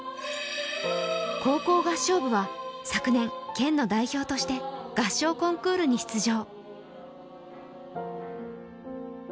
高校合唱部は昨年、県の代表として合唱コンクールに出場。